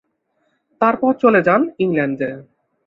তারপর চলে যান ইংল্যান্ডে।